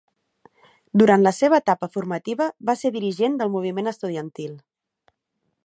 Durant la seva etapa formativa va ser dirigent del moviment estudiantil.